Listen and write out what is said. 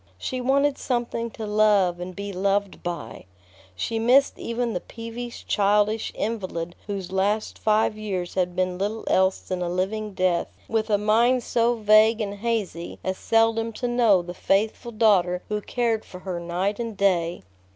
She wanted something to love and be loved by. She missed even the peevish, childish invalid whose last five years had been little else than a living death, with a mind so vague and hazy as seldom to know the faithful daughter who cared for her night and day.